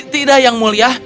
tidak yang mulia